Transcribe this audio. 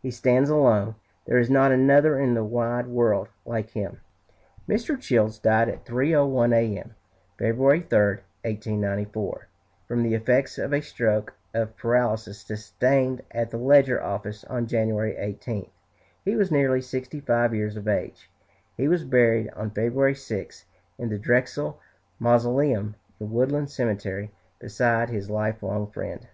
He stands alone; there is not another in the wide world like him." Mr. Childs died at 3.01 A.M. February 3, 1894 from the effects of a stroke of paralysis sustained at the Ledger office on January 18. He was nearly sixty five years of age. He was buried on February 6, in the Drexel Mausoleum in Woodland Cemetery beside his life long friend.